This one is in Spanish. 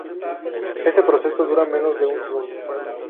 Este proceso dura menos de un segundo.